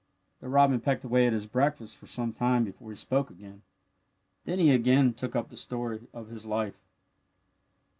The robin pecked away at his breakfast for some time before he spoke again. Then he again took up the story of his life.